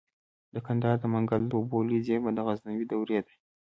د کندهار د منگل د اوبو لوی زیرمه د غزنوي دورې ده